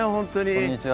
こんにちは。